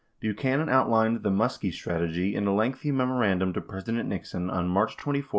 91 Buchanan outlined a "Muskie" strategy in a lengthy memorandum to President Nixon on March 24, 1971.